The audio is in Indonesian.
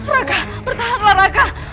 raka bertahanlah raka